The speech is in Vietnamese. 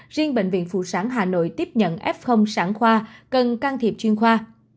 riêng bệnh viện phù sáng hà nội tiếp nhận f sẵn khoa cần can thiệp chuyên khoa